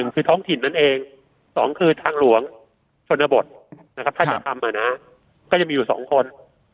คือท้องถิ่นนั่นเอง๒คือทางหลวงชนบทนะครับถ้าจะทำก็จะมีอยู่๒คน